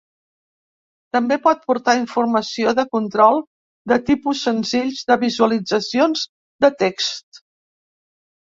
També pot portar informació de control de tipus senzills de visualitzacions de text.